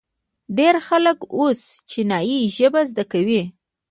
ډیر خلک اوس چینایي ژبه زده کوي.